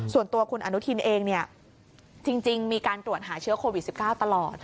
ส่วนตัวคุณอนุทินเองจริงมีการตรวจหาเชื้อโควิด๑๙ตลอด